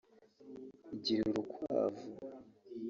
Gira urukwavu